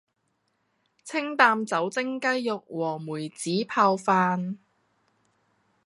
清淡酒蒸雞肉和梅子泡飯